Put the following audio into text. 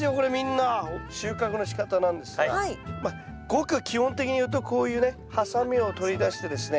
収穫のしかたなんですがまあごく基本的に言うとこういうねハサミを取り出してですね